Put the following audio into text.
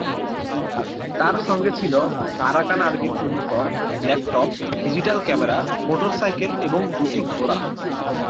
তার সঙ্গে ছিলো আরাকান আর্মির uniform, laptop, digital camera, motorcycle এবং দুটি ঘোড়া।